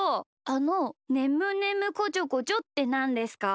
あの「ねむねむこちょこちょ」ってなんですか？